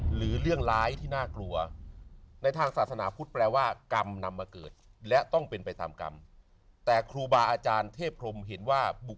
หรือเรื่องร้ายที่น่ากลัว